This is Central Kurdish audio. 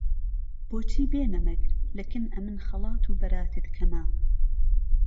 بۆچی بێ نمهک له کن ئەمن خهڵات و بهراتت کهمه